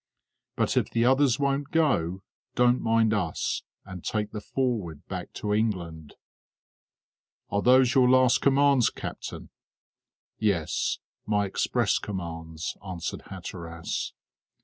But if the others won't go, don't mind us, and take the Forward back to England." "Are those your last commands, captain?" "Yes, my express commands," answered Hatteras.